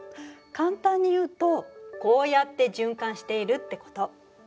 簡単に言うとこうやって循環しているってこと。